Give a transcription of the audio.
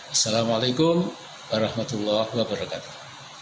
assalamualaikum warahmatullahi wabarakatuh